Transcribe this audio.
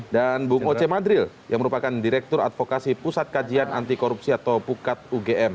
dan bung oce madril yang merupakan direktur advokasi pusat kajian antikorupsi atau pukat ugm